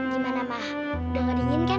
gimana ma udah gak dingin kan